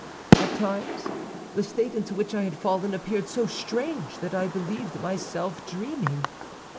"At times the state into which I had fallen appeared so strange that I believed myself dreaming.